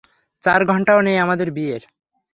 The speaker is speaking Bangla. চার ঘন্টাও নেই আমাদের বিয়ের!